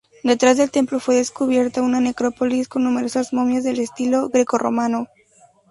Detrás del templo fue descubierta una necrópolis con numerosas momias del estilo greco-romano.